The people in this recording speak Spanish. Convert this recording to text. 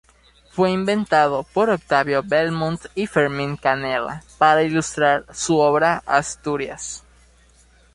Fue inventado por Octavio Bellmunt y Fermín Canella para ilustrar su obra "Asturias".